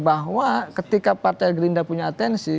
bahwa ketika partai gerinda punya atensi